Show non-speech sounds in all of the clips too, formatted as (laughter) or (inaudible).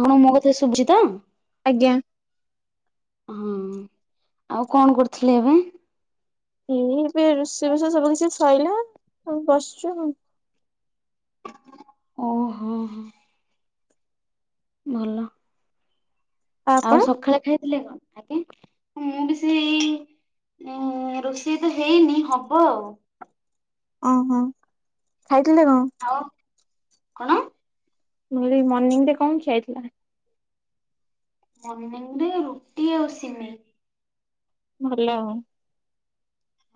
ହଁ ମୋ କଥା ସୁବୁଜି ତ? ଆଜ୍ଞା। ହଁ ଆଉ କଣ କରୁଥିଲେ ଏବେ? ଏଇ ଏବେ ରୋଷେଇ ବାସ ସବୁ କିଛି ସଇଲା ଆଉ ବସୁଛୁ ଆଉ। ଓ ହୋ ହଁ ହଁ। ଭଲ। ଆଉ ଆପଣ? ସକାଳେ ଖାଇଥିଲେ କଣ ଆଜ୍ଞା। ମୁଁ ବି ସେଇ ରୋଷେଇ ତ ହେଇନି ହବ ଆଉ। ଓହୋ ଖାଇଥିଲେ କଣ? ଆଉ କଣ? ମୁ କହିଲି ମର୍ଣ୍ଣିଂ ରେ କଣ ଖିଆହେଇଥିଲା? ମଣିନିଂ ରେ ରୁଟି ଆଉ ସିମେଇ। ଭଲ ଆଉ।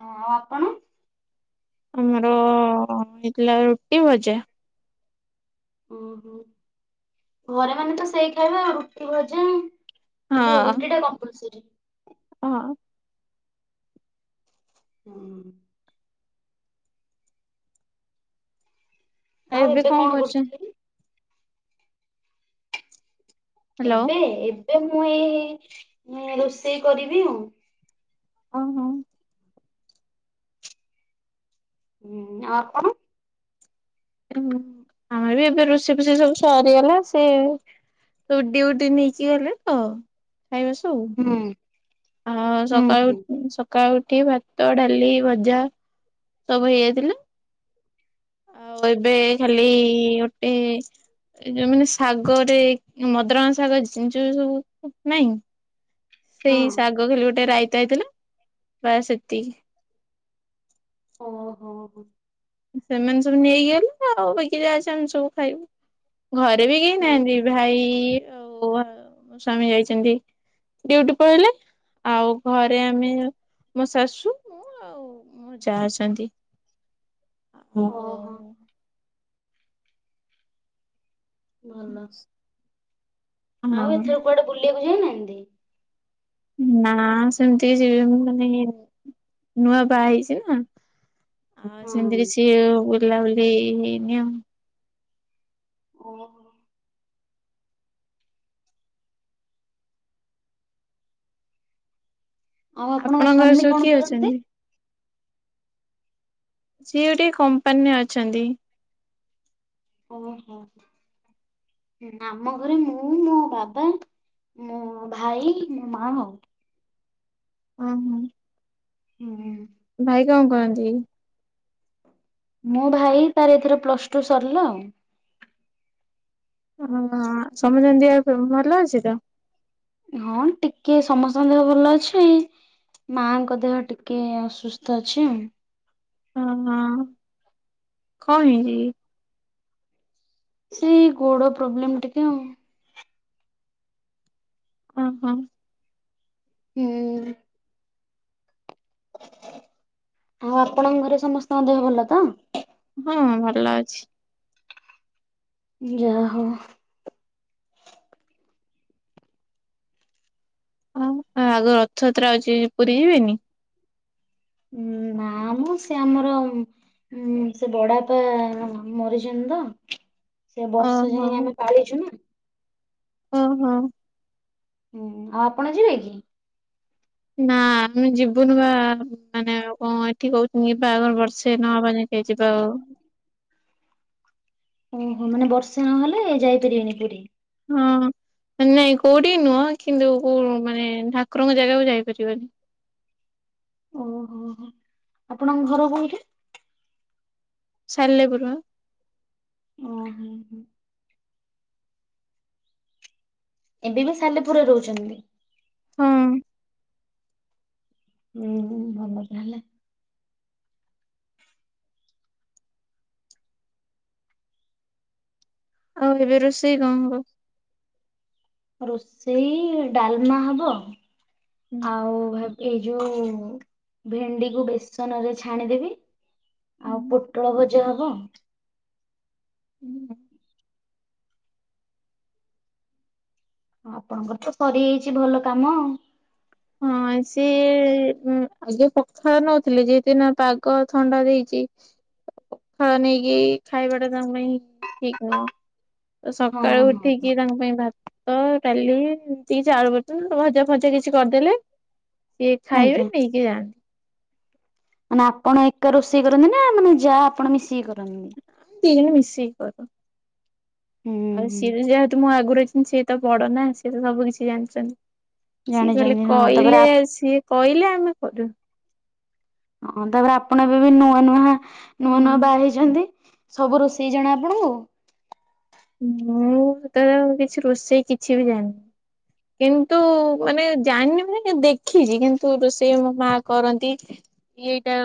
ହଁ ଆଉ ଆପଣ? ଆମର ହେଇଥିଲା ରୁଟି ଭଜା। ଓହୋ ଘରେ ମାନେ ତ ସେଇ ଖାଇବା ଆଉ ରୁଟି ଭଜା। ଏମିତି ଆଉ ହଁ। ରୁଟି ଟା କମ୍ପଲସରୀ। ହଁ। ହୁଁ। ଆଉ ଏବେ କଣ କରୁଚୁକି? ହ୍ୟାଲୋ। ଏବେ ଏବେ ମୁଁ ଏଇ ରୋଷେଇ କରିବି ଆଉ। ଓହୋ। ହୁଁ ଆଉ ଆପଣ? ଆମେ ବି ଏବେ ରୋଷେଇ ଫୋଷଇ ସବୁ ସରିଗଲା ସେ ଡିୟୁଟି ନେଇକି ଗଲେ ତ ଖାଇବା ସବୁ। ହୁଁ। ହଁ ହୁଁ ସକାଳ ହୁଁ। ଉଠିନି ସକା ସକାଳୁଉଠିକି ଭାତ ଡାଲି ଭଜା ସବୁ ହେଇଯାଇଥିଲା। ଆଉ ଏବେ ଖାଲି ଗୋଟେ ଏ ଯୋଉ ମାନେ ଶାଗରେ ମଦରଙ୍ଗା ସାଗ ଜିନିଷୁ ସବୁ ନାଇଁ? ହଁ ସେଇ ଶାଗ ଖାଲି ଗୋଟେ ରାଇତା ହେଇଥିଲା ବାସ୍ ସେତିକି। ଓ ହୋ ହଁ। ସେମାନେ ସବୁ ନେଇକି ଗଲେ ଆଉ ବିକି ଯାହା ଅଛି ଆମେ ସବୁ ଖାଇବୁ। ଘରେ ବି କେହି ନାହାନ୍ତି ଭାଇ ଆଉ ମୋ ସ୍ଵମୀ ଯାଇଛନ୍ତି। ଡ୍ୟୁଟି ପଳେଇଲେ ଆଉ ଘରେ ଆମେ ମୋ ଶାଶୁ ଆଉ ମ ଯା ଅଛନ୍ତି। ହଁ ଓହୋ ମେ। ଭଲ। (inaudible) ଆଉ ହଁ ଏଥର କୁଆଡେ ବୁଲିବାକୁ ଯାଇନାହାନ୍ତି? ନା ସେମିତି କି ଯିବି ମୁ ମାନେ ନୂଆ ବାହା ହେଇଚି ନା। ସେମିତି ହୁଁ। କିଛି ବୁଲାବୁଲି ହେଇନି ଆଉ। ହଁ। ଆଉ ଆପଣଙ୍କ ଆପଣଙ୍କର ସ୍ଵାମୀ ସବୁ କଣ କିଏ କରନ୍ତି? ଅଛନ୍ତି? ସିଏ ଗୋଟେ କମ୍ପାନୀରେ ଅଛନ୍ତି। ଓହୋ। ଆମ ଘରେ ମୁଁ ମୋ ବାବା ମୋ ଭାଇ ମାମୁଁ। ହଁ ହଁ। (inaudible) ଭାଇ କଣ କରନ୍ତି? ମୋ ଭାଇ ତାର ଏଥର ପ୍ଲସ ଟୁ ସରିଲା ଆଉ। ଓ ସମତ ଙ୍କ ଦେହ ଭଲ ଅଛି ତ? ହଁ ଟିକେ ସମସ୍ତଙ୍କ ଦେହ ଭଲ ଅଛି ମାଙ୍କ ଦେହ ଟିକେ ଅସୁସ୍ଥ ଅଛି। ଓ ହଁ କଣ ହେଇଛି କି? ସେଇ ଗୋଡ ପ୍ରୋବ୍ଲେମ୍ ଟିକେ ଆଉ। ଓହୋ। ହୁଁ। ଆଉ ଆପଣଙ୍କ ଘରେ ସମସ୍ତଙ୍କ ଦେହ ଭଲ ତ? ହଁ ଭଲ ଅଛି। ଯାହଉ। ହଉ ଆଗ ରଥଯାତ୍ରା ଅଛି ପୁରୀ ଯିବେନି? ଉଁ ନା ମ ସେ ଆମର ହୁଁ ସେ ବଡାପା ମାମୁଁ ମରିଚନ୍ତି ତ ସେ ବର୍ଷ ଓହୋ ଯାଏଁ ଆମେ ପାଳିଛୁ ନା। ଓ ହୋ। ହୁଁ ଆପଣ ଯିବେ କି? ନା ଆମେ ଯିବୁନୁ ବା ମାନେ କଣ ଏଠି କହୁଛନ୍ତି ବାହାଘର ବର୍ଷେ ନହେବା ଯାଙ୍କେ ହେ ଯିବା ଅ। ଓହୋ ମାନେ ବର୍ଷେ ନହଲେ ଯାଇପାରିବେନି ପୁରୀ? ହଁ ନାଇଁ କୋଉଠିକି ନୁହଁ କିନ୍ତୁ କୋଉ ମାନେ ଠାକୁରଙ୍କ ଜାଗାକୁ ଯାଇପାରିବନି। ଓହୋ ହୋ। ଆପଣଙ୍କ ଘର କୋଉଠି? ସାଲେପୁର ହାଁ ଓୁ ହୁ, ହୁଁ ହୁଁ (inaudible) ଏବେ ବି ସାଲେପୁରରେ ରହୁଛନ୍ତି। ହଁ ହୁଁ ଭଲ ତା ହଲେ (inaudible) ଆଉ ଏବେ ରୋଷେଇ କଣ ହବ। ରୋଷେଇ ଡାଲମା ହବ ଆଉ ଭାତ, ଏଇ ଯୋଉ ଭେଣ୍ଡିକୁ ବେସନ ରେ ଛାଣିଦେବି, ଆଉ ପୋଟଳ ଭଜା ହବ। ହୁଁ। ଆପଣଙ୍କର ତ ସରି ଯାଇଛି ଭଲ କାମ ଆଉ, ହଁ ସିଏ ଆଗେ ପଖାଳ ନଉଥିଲେ ଯି ଦିନ ପାଗ ଥଣ୍ଡା ଦେଇଛି। ଖ ନେଇକି ଖାଇବାଟା ତାଙ୍କୁ ନ ଠିକ ନୁହଁ (inaudible) ତ ହଁ ସକାଳୁ ହଁ ଉଠିକି ତାଙ୍କ ପାଇଁ ଭାତ, ଭାତ, ଡ଼ାଲି ଏମିତି କିଛି ଆଳୁର୍ଭତା, ଭଜା ଫଜା କିଛି କରିଦେଲେ ସିଏ ଆଜ୍ଞା ଖାଇବେ ନେଇକି ଯାଆନ୍ତି। ମାନେ ଆପଣ ଏକା ରୋଷେଇ କରନ୍ତି, ନା ମାନେ ଯାଆ, ଆପଣ ମିଶିକି କରନ୍ତି। ନା ଦିଜଣ ମିଶିକି କରୁ, ହୁଁ ଆଉ ହୁଁ ସିଏ ଯେହେତୁ ମୋ ଆଗରୁ ଆଇଛନ୍ତି। ସିଏ ତ ବଡ଼ ନା ସିଏ ତ ସବୁ କିଛି ଜାଣିଛନ୍ତି। ସିଏ ଖାଲି ଜାଣିଛନ୍ତି ହଁ ତାପରେ କହିଲେ ଆପ ସିଏ କହିଲେ ଆମେ କରିବୁ। ହଁ ତାପରେ ଆପଣ ଏବେ ବି ନୂଆ ନୂଆ ନୂଆ ହଁ। ନୂଆ ବାହା ହେଇଛନ୍ତି। ଅଛନ୍ତି ସବୁ ରୋଷେଇ ଜଣା ଆପଣଙ୍କୁ, ମୁଁ ତ କିଛି ରୋଷେଇ କିଛି ବି ଜାଣିନି, କିନ୍ତୁ ହଁ। ମାନେ ଜାଣିନି ମାନେ ଦେଖିଛି, କିନ୍ତୁ ରୋଷେଇ ଆମ ମା କରନ୍ତି। ଏଇଟା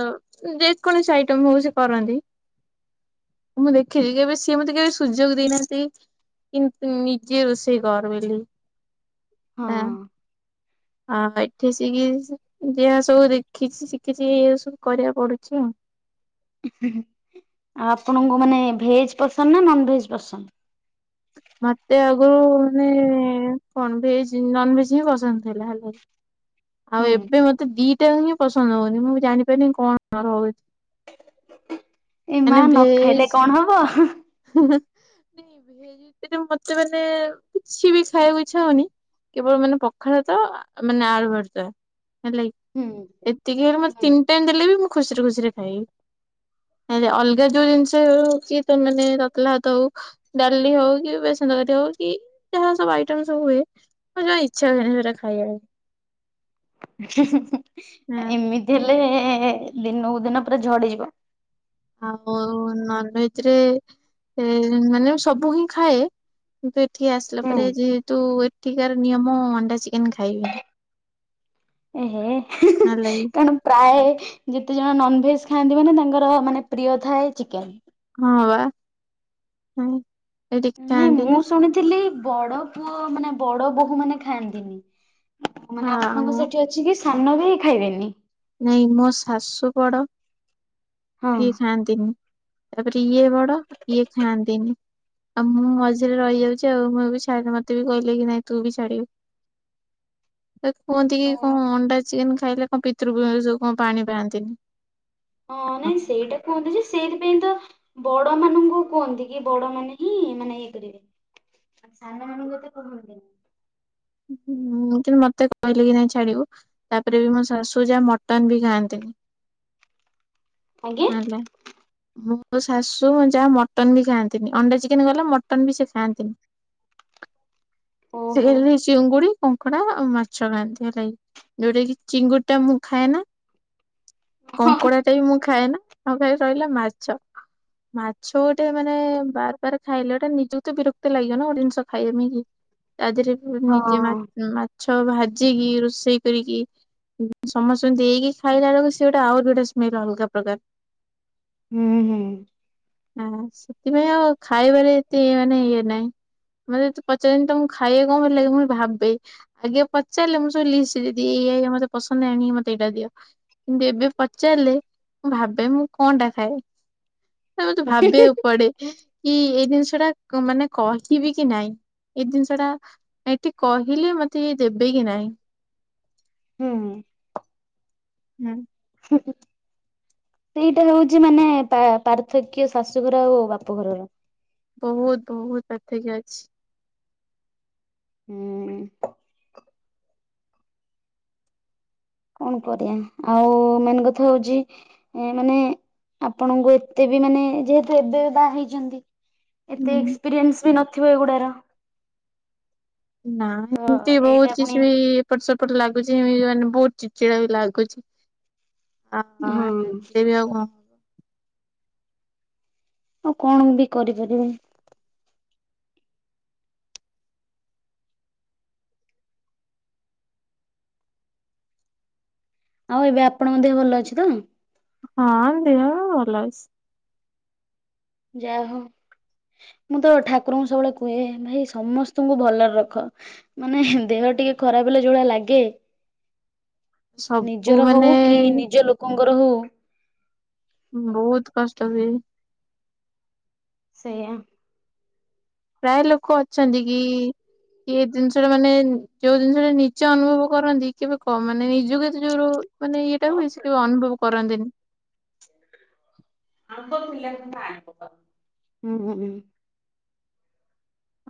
ଯେକୌଣସି ଆଇଟମ ହଉ ସେ କରନ୍ତି। ମୁଁ ଦେଖିଛି, କେବେ ସିଏ ମତେ କେବେ ସୁଯୋଗ ଦେଇନାହାନ୍ତି। କିନ୍ତୁ ନିଜେ ରୋଷେଇ ଘର ବୋଲି, ହଁ। ଆଉ ଏଠି ସେ ଯାହା ସବୁ ଦେଖିଛି, ଶିଖିଛି ଏଇ ସବୁ କରିବାକୁ ପଡୁଛି ଆଉ ଆଉ ଆପଣଙ୍କୁ ମାନେ ଭେଜ ପସନ୍ଦ ନନଭେଜ୍ ପସନ୍ଦ, ମତେ ଆଗରୁ ମାନେ କଣ ଭେଜ ନନ ଭେଜ୍ ହିଁ ପସନ୍ଦ ଥିଲା ହେଲା, ଆଉ ହୁଁ ଏବେ ମତେ ଦିଟା ହିଁ ପସନ୍ଦ ହଉନି ମୁଁ ଜାଣିପାରିନି କଣ ହଉଛି। ଏ ମା ମାନେ ନ ଖାଇଲେ ଭେଜ୍ (inaudible) କଣ ହବ? ହିଁ, (inaudible) ହିଁ ହିଁ, ମତେ ମାନେ କିଛି ବି ଖାଇବାକୁ ଇଛା ହଉନି। କେବଳ ମାନେ ପଖାଳ ଭାତ, ମାନେ ଆଳୁ ଭର୍ତା। ହେଲାକି, ହୁଁ। ଏତିକି ରୁ ମୋର ହୁଁ। ତିନି (inaudible) ଦେଲେ ବି ମୁଁ ଖୁସିରେ ଖୁସିରେ ଖାଇବି ଅଲଗା ଯୋଉ ଜିନିଷ ହଉଚି (inaudible) ଯେ ତତଲା ଭାତ, ହଉ ଡାଲି ହଉ କି ବେସନତକାରୀ, ହଉ କି ଯାହା ସବୁ ଆଇଟମ ସବୁ ହୁଏ, ମୋର ଜମା ଇଚ୍ଛା ହୁଏନି, ସେଗୁରା ଖାଇବାକୁ। ହିଁ, ହିଁ, ହିଁ, ହଁ ଏମିତି ହେଲେ ଦିନକୁ ଦିନ ପୁରା ଝଡିଯିବ। ଆଉ ନନ ଭେଜରେ ଏ ମାନେ ମୁଁ ସବୁ ହିଁ ଖାଏ କିନ୍ତୁ ଏଠି ଆସିଲା ହୁଁ। ପରେ ଯେହେତୁ ଏଠିକାର ନିୟମ ଅଣ୍ଡା, ଚିକେନ ଖାଇବିନି। ଏ ହେଁ, ହିଁ, ହେଲା କି ହିଁ କାଣୁ ପ୍ରାଏ ଯେତେ ଜଣ ନନଭେଜ ଖାଆନ୍ତି ମାନେ, ତାଙ୍କର ମାନେ ପ୍ରିୟ ଥାଏ ଚିକେନ୍। ହଁ, ବା, ହଁ। ନାଇଁ ମୁଁ ଶୁଣିଥିଲି, ବଡ ପୁଅ ମାନେ ବଡ ବୋହୂ ମାନେ ଖାଆନ୍ତିନି। ଆ ମାନେ ଆପଣଙ୍କ ସେଠି ଅଛି କି, ସାନ ବି ଖାଇବେନି। ନାଇଁ ମୋ ଶାଶୁ ବଡ, ହଁ। ସିଏ ଖାଆନ୍ତିନି। ତା ପରେ ଇଏ ବଡ, ଇଏ ଖାଆନ୍ତିନି। ଆଉ ମୁଁ ମଝିରେ ରହିଯାଉଚି ଆଉ, ମୁଁ ବି ଛାଡି, ମତେ ବି କହିଲେ କି ନାଇଁ ତୁ ବି ଛାଡିବୁ। ସେ କୁହନ୍ତି କି ଓହୋ କଣ ଅଣ୍ଡା ଚିକେନ ଖାଇଲେ କଣ ପିତୃପୁରୁଷ କଣ ସବୁ ପାଣି ପାଆନ୍ତିନି। ହଁ, ନାଇଁ ସେଇଟା କୁହନ୍ତୁ ଯେ ସେଇଥିପାଇଁ ତ ବଡ ମାନଙ୍କୁ କୁହନ୍ତି, କି ବଡ ମାନେ ହିଁ ମାନେ ଇଏ କରିବେ। ସାନ ମାନଙ୍କୁ ଏତେ କୁହନ୍ତିନି। ହୁଁ, କିନ୍ତୁ ମତେ କହିଲେ କି ନାଇଁ ଛାଡିବୁ। ତା ପରେ ବି ମୋ ଶାଶୁ, ଯା ମଟନ ବି ଖାଆନ୍ତିନି, ଆଜ୍ଞା (unintelligible) (inaudible) ମୋ ଶାଶୁ ମୋ ଯା ମଟନ୍ ବି ଖାଆନ୍ତିନି। ଅଣ୍ଡା, ଚିକେନ ଗଲା, ମଟନ ବି ସେ ଖାଆନ୍ତିନି। (unintelligible) ଓହୋ। ଚିଙ୍ଗୁଡି, କଙ୍କଡା ଆଉ ମାଛ ଖାଆନ୍ତି, ହେଲା କିି? ଯୋଉଟା କି ଚିଙ୍ଗୁଡି ଟା ମୁଁ ଖାଏନା। କଙ୍କଡା ଟା ବି ମୁଁ ଖାଏନା। ଆଉ ଖାଲି ରହିଲା ମାଛ ମାଛ ଗୋଟେ ମାନେ ବାର ବାର ମାଛ ଖାଇଲେ, ଗୋଟେ ନିଜ କୁ ତ ବିରକ୍ତି ଲାଗିବ ନା, ଗୋଟେ ଜିନିଷ ଖାଇବା ପାଇଁ କି। ତା ଦେହରେ ପୁଣି ହଁ ନିଜେ ମା ହୁଁ ମାଛ ଭାଜିକି, ରୋଷେଇ କରିକି ସମସ୍ତଙ୍କୁ ଦେଇକି ଖାଇଲା ବେଳକୁ, ସେ ଗୋଟେ ଆଉରି ଗୋଟେ ସ୍ମେଲ୍ ଅଲଗା ପ୍ରକାର। ହୁଁ, ହୁଁ। ହଁ, ସେଥିପାଇଁ ଆଉ ଖାଇବାରେ ଏତେ ମାନେ ଇଏ ନାହିଁ। ମତେ ଏତେ ପଚାରନ୍ତି ତମକୁ ଖାଇବାକୁ କଣ ହେଲା କି, ମୁଁ ଭାବେ ଆଗେ ପଚାରିଲେ ମୁଁ ସବୁ ଲିଷ୍ଟ ଦେଇଦିଏ। ଏଇ, ଏଇଆ, ଏଇଆ ମତେ ପସନ୍ଦ ଆଣିକି ମତେ ଏଇଟା ଦିଅ। କିନ୍ତୁ ଏବେ ପଚାରିଲେ ମୁଁ ଭାବେ, ମୁଁ କଣ ଟା ଖାଏ? ସେ ମତେ ଭାବିବାକୁ ପଡେ। କି ଏଇ ଜିନିଷ ଟା ମାନେ କହିବି କି ନାଇଁ, ଏଇ ଜିନିଷ ଟା ଏଠି କହିଲେ, ମତେ ଇଏ ଦେବେ କି ନାଇଁ? ହୁଁଉ। ହୁଁ। ହିଁ ହିଁ। ସେଇଟା ହେଉଚି ମାନେ ପା ପାର୍ଥକ୍ୟ, ଶାଶୁଘର ଆଉ ବାପଘରର। ବହୁତ ବହୁତ ପାର୍ଥକ୍ୟ ଅଛି। ହୁଁ। କଣ କରିବା? ଆଉ ମେନ୍ କଥା ହଉଚି ଏ ମାନେ, ଆପଣଙ୍କୁ ଏତେ ବି ମାନେ, ଯେହେତୁ ଏବେ ବାହା ହେଇଚନ୍ତି ଏତେ ହୁଁ ଏକ୍ସପିରିଏନ୍ସ ବି ନଥିବ ଏଗୁଡାର। ନା ତ ଏମିତି, ଏଇଟା ବହୁତ ପୁଣି କିଛି ବି ଏପଟ ସେପଟ ଲାଗୁଚି, ଏମତି ମାନେ ବହୁତ ଚିଡଚିଡା ବି ଲାଗୁଚି। ହଁ ହଁ, ଲାଗିଲେ ବି ଆଉ କଣ? ହବ। ଆଉ କଣ ମୁଁ ବି କରିପାରିବେ। ଆଉ ଏବେ ଆପଣଙ୍କ ଦେହ ଭଲ ଅଛି ତ? ହଁ ଅ, ଦେହ ଭଲ ଅଛି। ଯା ହଉ। ମୁଁ ତ ଠାକୁରଙ୍କୁ ସବୁବେଳେ କୁହେ ଭାଇ ସମସ୍ତଙ୍କୁ ଭଲରେ ରଖ। ମାନେ ଦେହ ଟିକେ ଖରାପ ହେଲେ ଯଉଳିଆ ଲାଗେ। ସବୁ ନିଜର ହଉ ମାନେ କି ନିଜ ଲୋକଙ୍କର ହଉ। ବହୁତ କଷ୍ଟ ହୁଏ। ସେଇଆ। ପ୍ରାୟ ଲୋକ ଅଛନ୍ତି କି କି ଏ ଜିନିଷ ଟା ମାନେ ଯୋଉ ଜିନିଷ ଟା ନିଜେ ଅନୁଭବ କରନ୍ତି କିନ୍ତୁ କନ୍ ମାନେ ନିଜକୁ ଏତେ ଜୋର୍ ମାନେ ଇଏଟା କୁ ବେଶି କେହି ଅନୁଭବ କରନ୍ତିନି। ଆପିଲ ଆପଁଁ (inaudible)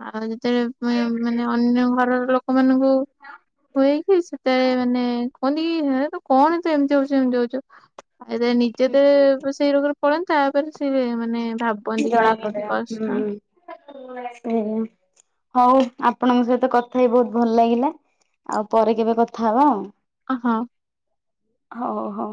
ଆଉ ଯେତେବେଳେ ମାନେ ଅନ୍ୟ ଘରର ଲୋକମାନଙ୍କୁ ହୁଏ କି ସେତେବେଳେ ମାନେ କୁହନ୍ତି ହେ ତୁ କଣ ଏମିତି ହଉଚୁ ସେମିତି ହଉଚୁ। ଆଉ ନିଜେ ତ ସେଇ ରୋଗରେ ପଳନ୍ତା ତାପରେ ସେ ମାନେ ଭାବ ଜଣା ପଡିଆ ହୁଁ ହୁଁ। ହଉ ଆପଣଙ୍କ ସହିତ କଥା ହେଇ ବହୁତ ଭଲ ଲାଗିଲା। ଆଉ ପରେ କେବେ କଥା ହେବା। ହଁ। ହଉ ହଉ।